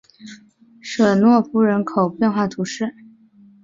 舍诺夫人口变化图示